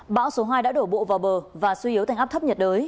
báo số hai đã đổ bộ vào bờ và suy yếu thành áp thấp nhật đới